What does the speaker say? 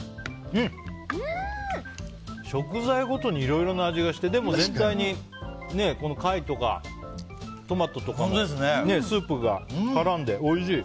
食材ごとにいろいろな味がしてでも、全体に貝とかトマトとかスープが絡んで、おいしい。